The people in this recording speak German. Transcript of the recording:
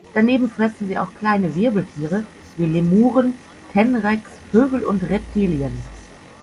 Daneben fressen sie auch kleine Wirbeltiere wie Lemuren, Tenreks, Vögel und Reptilien.